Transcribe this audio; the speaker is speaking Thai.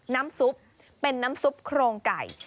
น้ำซุปเป็นน้ำซุปโครงไก่